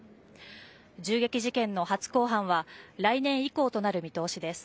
銃撃事件の初公判は来年以降となる見通しです。